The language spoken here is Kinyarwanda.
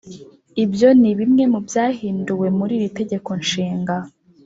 Ibyo nibimwe mubyahinduwe muriri tegeko nshinga